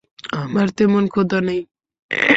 আমার তেমন ক্ষুধা নেই।